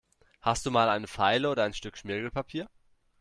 Hast du mal eine Feile oder ein Stück Schmirgelpapier?